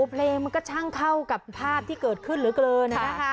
เพลงมันก็ช่างเข้ากับภาพที่เกิดขึ้นเหลือเกิน